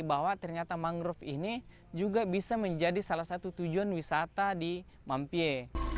bahwa ternyata mangrove ini juga bisa menjadi salah satu tujuan wisata di mampie